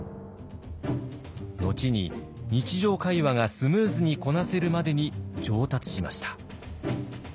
後に日常会話がスムーズにこなせるまでに上達しました。